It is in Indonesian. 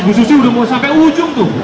bu susi udah mau sampai ujung tuh